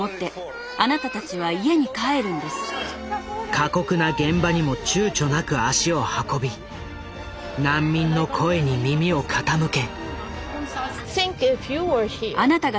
過酷な現場にもちゅうちょなく足を運び難民の声に耳を傾け。